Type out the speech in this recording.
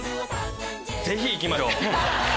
ぜひ行きましょう！